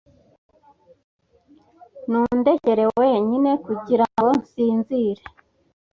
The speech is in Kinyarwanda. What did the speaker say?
Nundekere wenyine kugirango nsinzire.